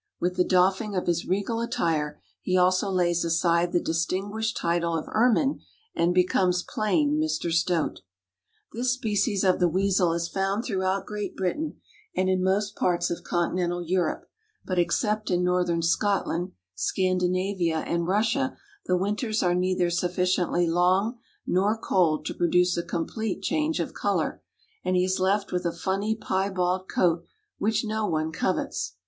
With the doffing of his regal attire he also lays aside the distinguished title of Ermine and becomes plain Mr. Stoat. This species of the weasel is found throughout Great Britain and in most parts of continental Europe, but except in northern Scotland, Scandinavia, and Russia the winters are neither sufficiently long nor cold to produce a complete change of color and he is left with a funny piebald coat which no one covets.